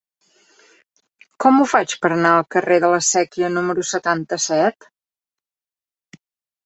Com ho faig per anar al carrer de la Sèquia número setanta-set?